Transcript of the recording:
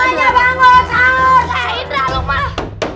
banyak banget saur